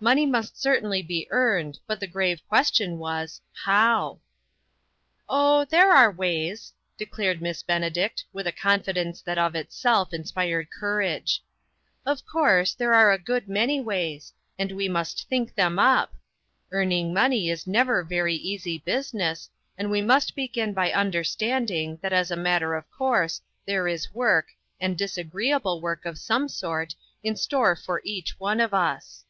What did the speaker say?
Money must certainly be earned, but the grave question was, How ?" Oh, there are ways," declared Miss Ben edict, with a confidence that of itself in spired courage. " Of course, there are a good many ways ; and we must think them up. Earning money is never very easy business, and we must begin by understanding, that as a matter of course, there is work, and disagreeable work, of some sort, in store for each one of us."